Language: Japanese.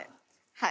はい。